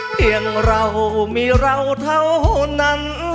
เพียงเรามีเราเท่านั้น